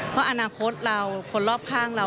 เพราะอนาคตเราคนรอบข้างเรา